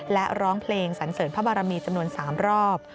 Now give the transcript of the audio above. และร้องเพลงสันเสริญพระบารมีจำนวน๓รอบ